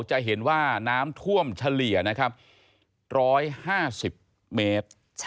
จะเห็นว่าน้ำท่วมเฉลี่ยนะครับ๑๕๐เมตร